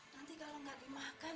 nanti kalau gak dimakan